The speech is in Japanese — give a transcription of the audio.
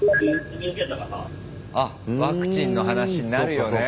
あっワクチンの話になるよね。